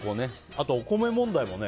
あとお米問題もね。